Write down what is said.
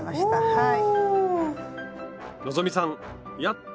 はい。